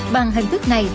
bằng hình thức này